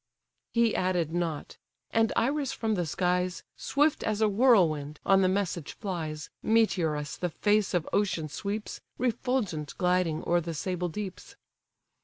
He added not: and Iris from the skies, Swift as a whirlwind, on the message flies, Meteorous the face of ocean sweeps, Refulgent gliding o'er the sable deeps.